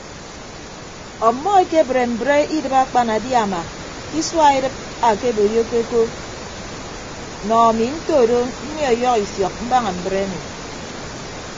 Ọmmọ ekebre mbre idịb akpanadiama ke isua edịp ake boyokeko nọ ami ntodo nnie ọyọhọ ifiọk mbaña mbre emi.